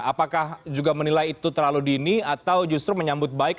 apakah juga menilai itu terlalu dini atau justru menyambut baik